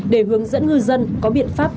để hướng dẫn ngư dân có biện pháp